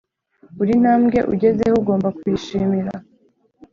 buri ntambwe ugezeho ugomba kuyishimira